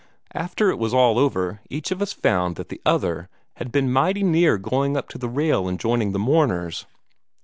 After it was all over each of us found that the other had been mighty near going up to the rail and joining the mourners.